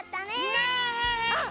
あっ！